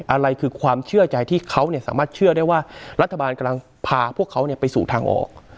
อะไรคือความเชื่อใจที่เขาสามารถเชื่อได้ว่ารัฐบาลกำลังพาพวกเขาไปสู่ทางออก